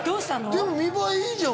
でも見栄えいいじゃん